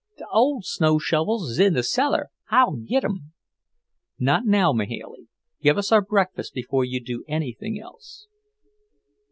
"Th' ole snow shovels is in the cellar. I'll git 'em." "Not now, Mahailey. Give us our breakfast before you do anything else."